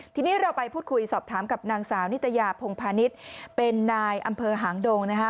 ทีนี้เราไปพูดคุยสอบถามกับนางสาวนิตยาพงพาณิชย์เป็นนายอำเภอหางดงนะคะ